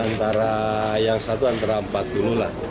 antara yang satu antara empat dulu lah